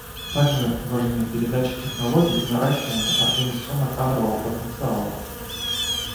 Также важны передача технологий и наращивание организационно-кадрового потенциала.